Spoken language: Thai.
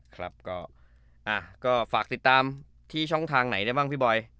ครับก็ฝากติดตามที่ช่องทางไหนได้บ้างพี่บอย